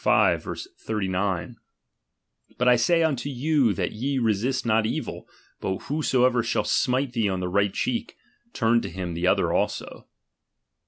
v. 39} ; ^Sat I say unto you that ye resist not evil ; but ^^:>hosoever shall smite thee on the right cheek, ^ ^irn to him the other also.